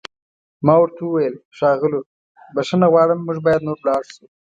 ما ورته وویل: ښاغلو، بښنه غواړم موږ باید نور ولاړ شو.